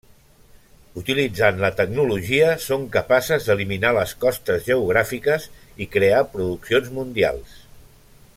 Utilitzant la tecnologia són capaces d'eliminar les costes geogràfiques i crear produccions mundials.